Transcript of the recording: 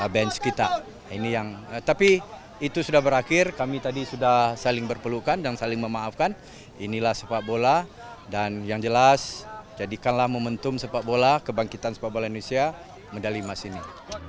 bench kita ini yang tapi itu sudah berakhir kami tadi sudah saling berpelukan dan saling memaafkan inilah sepak bola dan yang jelas jadikanlah momentum sepak bola kebangkitan sepak bola indonesia medali emas ini